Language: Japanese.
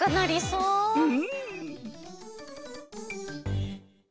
うん。